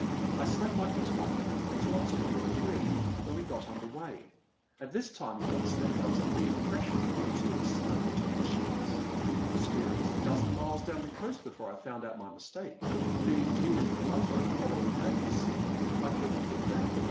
I slept like a top until I was called at three, when we got under weigh. At this time, you understand, I was under the impression that you two were snug between the sheets. The schooner was a dozen miles down the coast before I found out my mistake. Being due in Colombo the following day, you see, I couldn't put back.